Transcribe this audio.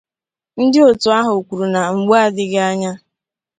Ndị otu ahụ kwuru na mgbe adịghị anya